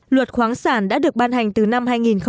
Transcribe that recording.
luật khoáng sản đã được ban hành từ năm hai nghìn một mươi